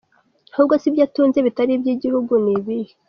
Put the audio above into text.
ahubwo se ibyo atunze bitalibyo igihugu ni ibihe?